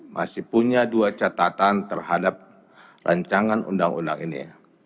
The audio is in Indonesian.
masih punya dua catatan terhadap rancangan undang undang ini